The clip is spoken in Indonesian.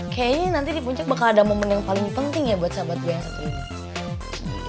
kayaknya nanti di puncak bakal ada momen yang paling penting ya buat sahabat gue yang satu ini